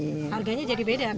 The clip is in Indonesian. harganya jadi beda kan